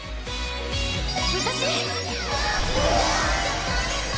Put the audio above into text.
私！